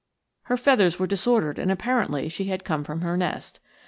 Her feathers were disordered and apparently she had come from her nest.